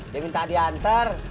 dia minta diantar